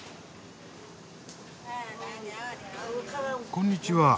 こんにちは。